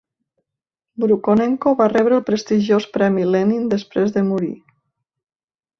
Brukhonenko va rebre el prestigiós Premi Lenin després de morir.